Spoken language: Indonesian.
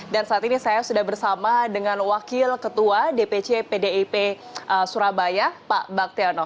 dan saat ini saya sudah bersama dengan wakil ketua dpc pdip surabaya pak baktyono